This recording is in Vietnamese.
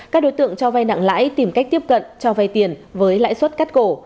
các đối tượng cho vay nặng lãi tìm cách tiếp cận cho vay tiền với lãi suất cắt cổ